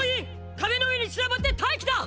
壁の上に散らばって待機だ！！